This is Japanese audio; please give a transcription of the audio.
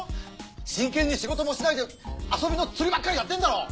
真剣に仕事もしないで遊びの釣りばっかりやってるんだろ！？